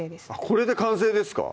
これで完成ですか